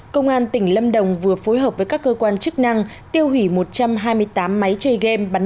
công an tỉnh lâm đồng vừa phối hợp với các cơ quan chức năng tiêu hủy một trăm hai mươi tám máy chơi game bắn